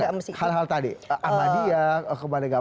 sama nggak hal hal tadi amadiyah kebandegapata